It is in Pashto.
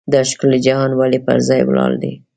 دا ښکلی جهان ولې پر ځای ولاړ دی.